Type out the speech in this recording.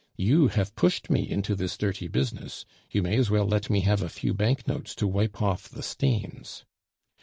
"You have pushed me into this dirty business; you may as well let me have a few banknotes to wipe off the stains."